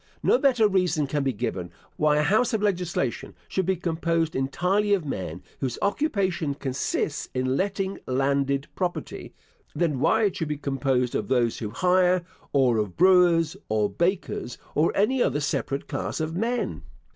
No better reason can be given, why a house of legislation should be composed entirely of men whose occupation consists in letting landed property, than why it should be composed of those who hire, or of brewers, or bakers, or any other separate class of men.